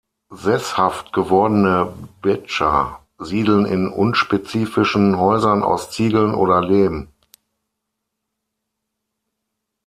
Sesshaft gewordene Bedscha siedeln in unspezifischen Häusern aus Ziegeln oder Lehm.